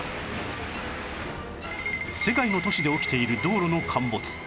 世界の都市で起きている道路の陥没